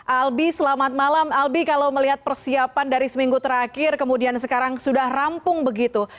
albi selamat malam albi kalau melihat persiapan dari seminggu terakhir kemudian sekarang sudah rampung begitu